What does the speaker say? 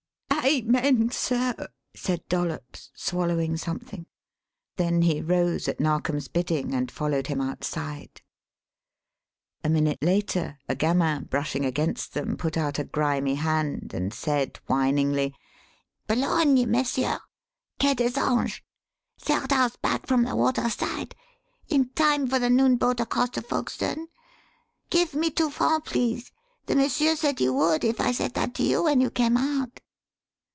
"Amen, sir," said Dollops, swallowing something; then he rose at Narkom's bidding and followed him outside. A minute later a gamin brushing against them put out a grimy hand and said whiningly: "Boulogne, messieurs. Quai des Anges. Third house back from the waterside; in time for the noon boat across to Folkestone. Give me two francs, please. The monsieur said you would if I said that to you when you came out."